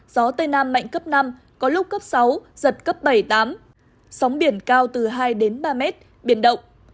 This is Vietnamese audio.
gió tây nam mạnh cấp năm có lúc cấp sáu giật cấp bảy tám sóng biển cao từ hai đến ba mét biển động